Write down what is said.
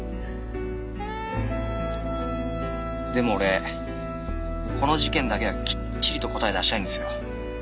でも俺この事件だけはきっちりと答え出したいんですよ。